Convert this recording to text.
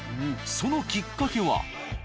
そのきっかけは？